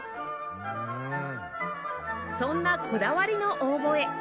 そんなこだわりのオーボエ